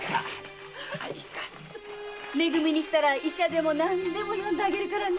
め組に来たら医者でも何でも呼んであげるからね。